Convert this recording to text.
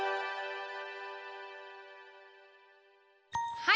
はい！